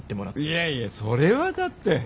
いやいやそれはだって。